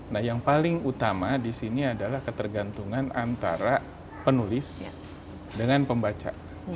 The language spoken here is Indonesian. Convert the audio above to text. nah yang paling utama di sini adalah ketergantungan antara penulis dengan pembaca